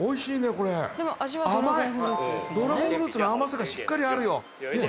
これ甘いドラゴンフルーツの甘さがしっかりあるよねえ？